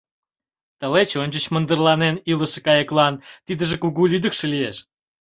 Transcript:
Тылеч ончыч мындырланен илыше кайыклан тидыже кугу лӱдыкшӧ лиеш.